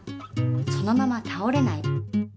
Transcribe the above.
そのままたおれない。